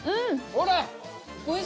ほら！